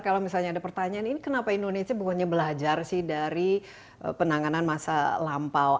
kalau misalnya ada pertanyaan ini kenapa indonesia bukannya belajar sih dari penanganan masa lampau